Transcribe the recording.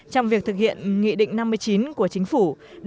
trong việc thực hiện nghị định năm mươi chín của chính phủ